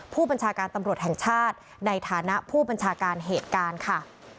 ผู้บัญชาการตำรวจแห่งชาติในฐานะผู้บัญชาการเหตุการณ์ค่ะ